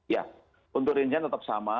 ya untuk ringnya tetap sama